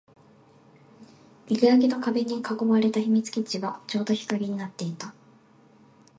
生垣と壁に囲われた秘密基地はちょうど日陰になっていた